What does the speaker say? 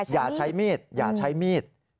อย่าใช้มีดอย่าใช้มีด